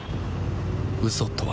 嘘とは